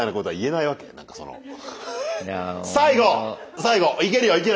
いけるよいける！